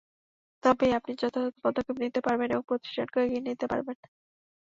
তবেই আপনি যথাযথ পদক্ষেপ নিতে পারবেন এবং প্রতিষ্ঠানকেও এগিয়ে নিতে পারবেন।